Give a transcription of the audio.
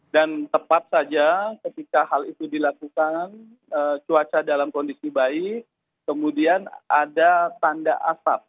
dan tepat saja ketika hal itu dilakukan cuaca dalam kondisi baik kemudian ada tanda asap